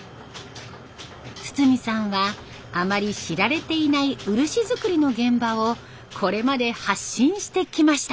堤さんはあまり知られていない漆作りの現場をこれまで発信してきました。